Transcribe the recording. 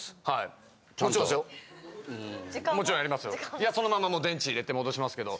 いやそのまま電池入れて戻しますけど。